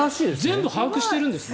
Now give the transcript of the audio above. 全部把握してるんですか。